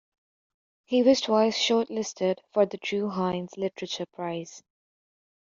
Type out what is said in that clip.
He was twice short-listed for the Drue Heinz Literature Prize.